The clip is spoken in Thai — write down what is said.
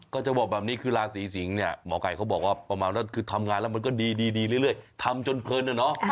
ก็จะบอกแบบนี้คือราศีสิงศ์เนี่ยหมอไก่เขาบอกว่าประมาณนั้นคือทำงานแล้วมันก็ดีเรื่อยทำจนเพลินอะเนาะ